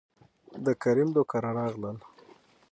دکريم دو کره راغلل،